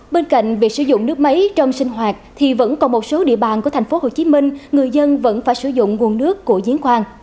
bên cạnh việc sử dụng nước máy trong sinh hoạt thì vẫn còn một số địa bàn của tp hcm người dân vẫn phải sử dụng nguồn nước của diễn khoan